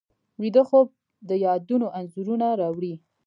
ویده خوب د یادونو انځورونه راوړي